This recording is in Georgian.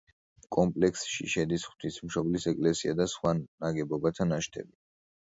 კომპლექსში შედის ღვთისმშობლის ეკლესია და სხვა ნაგებობათა ნაშთები.